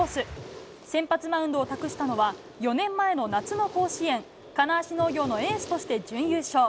先発マウンドを託したのは、４年前の夏の甲子園、金足農業のエースとして準優勝。